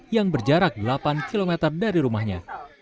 yang berjarak delapan km dari rumahnya